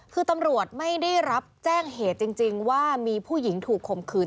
คือตำรวจไม่ได้รับแจ้งเหตุจริงว่ามีผู้หญิงถูกข่มขืน